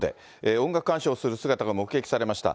音楽鑑賞をする姿が目撃されました。